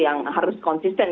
yang harus konsisten